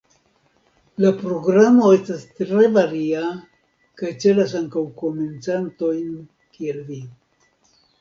La programo estas tre varia kaj celas ankaŭ komencantojn kiel vi.